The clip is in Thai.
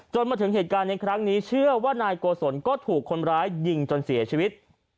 มาถึงเหตุการณ์ในครั้งนี้เชื่อว่านายโกศลก็ถูกคนร้ายยิงจนเสียชีวิต